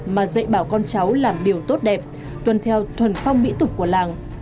mà dạy bảo con cháu làm điều tốt đẹp tuân theo thuần phong mỹ tục của làng